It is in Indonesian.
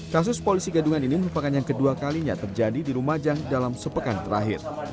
kasus polisi gadungan ini merupakan yang kedua kalinya terjadi di lumajang dalam sepekan terakhir